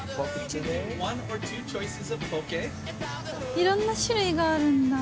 いろんな種類があるんだ。